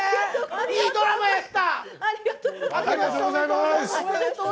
いいドラマやった！